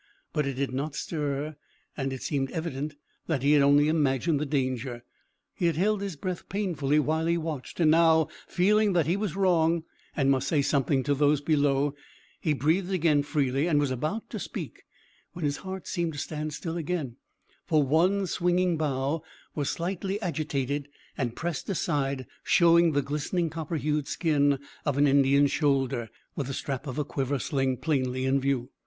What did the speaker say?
But it did not stir, and it seemed evident that he had only imagined the danger. He had held his breath painfully while he watched, and now, feeling that he was wrong, and must say something to those below, he breathed again freely and was about to speak when his heart seemed to stand still again, for one swinging bough was slightly agitated and pressed aside, showing the glistening, copper hued skin of an Indian's shoulder, with the strap of a quiver sling plainly in view.